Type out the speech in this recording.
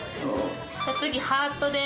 次、ハートです。